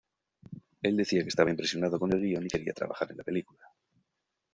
Él decía que estaba impresionado con el guión y quería trabajar en la película.